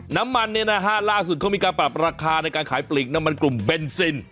น้ำมันเนี่ยนะฮะล่าสุดเขามีการปรับราคาในการขายปลีกน้ำมันกลุ่มเบนซิน